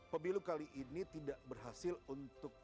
pemilu kali ini tidak berhasil untuk